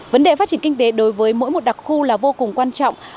vấn đề phát triển kinh tế đối với mỗi một đặc khu là vô cùng quan trọng